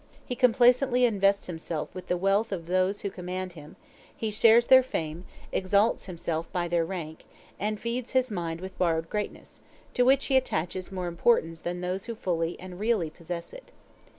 He complacently invests himself with the wealth of those who command him; he shares their fame, exalts himself by their rank, and feeds his mind with borrowed greatness, to which he attaches more importance than those who fully and really possess it.